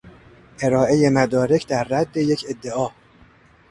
ارائهی مدارک در رد یک ادعا